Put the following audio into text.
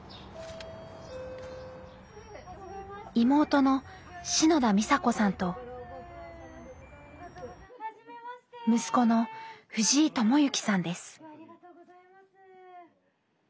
妹の篠田美紗子さんと息子の藤井智幸さんです。